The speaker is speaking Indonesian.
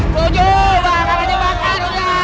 tuju bakar aja bakar aja